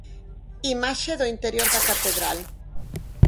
Imaxe do interior da Catedral.